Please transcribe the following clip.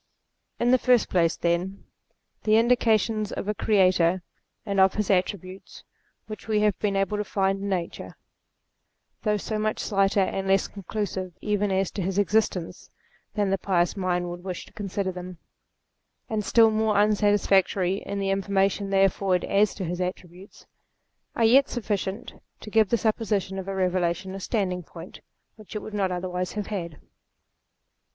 In the first place, then, the indications of a Creator and of his attributes which we have been REVELATION 213 t able to find in Nature, though so much slighter and less conclusive even as to his existence than the pious mind would wish to consider them, and still more unsatisfactory in the information they afford as to his attributes, are yet sufficient to give to the supposition of a Eevelation a standing point which it would not otherwise have had.